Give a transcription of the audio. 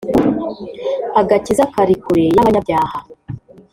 Agakiza kari kure y’abanyabyaha